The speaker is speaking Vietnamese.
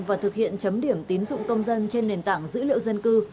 và thực hiện chấm điểm tín dụng công dân trên nền tảng dữ liệu dân cư